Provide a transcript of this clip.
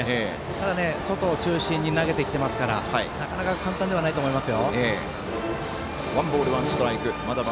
ただ外を中心に投げてきてますからなかなか簡単ではないと思います。